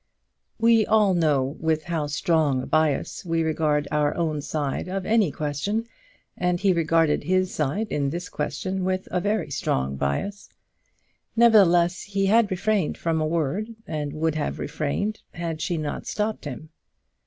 We all know with how strong a bias we regard our own side of any question, and he regarded his side in this question with a very strong bias. Nevertheless he had refrained from a word, and would have refrained, had she not stopped him.